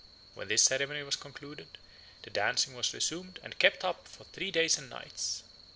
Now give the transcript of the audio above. When this ceremony was concluded, the dancing was resumed and kept up for three days and nights.